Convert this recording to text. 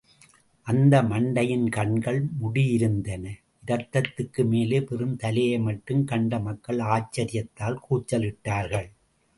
அந்த மண்டையின் கண்கள் முடியிருந்தன, இரத்தத்துக்கு மேலே வெறும் தலையை மட்டும் கண்ட மக்கள் ஆச்சரியத்தால் கூச்சலிட்டார்கள்.